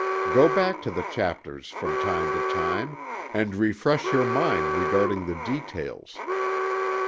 Go back to the chapters from time to time, and refresh your mind regarding the details.